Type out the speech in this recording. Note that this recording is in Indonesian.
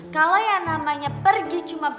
kalau yang namanya pergi cuma pulang